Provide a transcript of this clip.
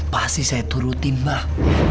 pasti saya turutin mbah